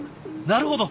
なるほど。